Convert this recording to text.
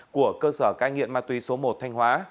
của cơ sở cai nghiện ma túy số một thanh hóa